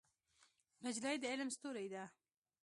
نجلۍ د علم ستورې ده.